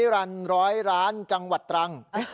๑๐๐ล้าน๑๐๐ล้านจังหวัดตรัง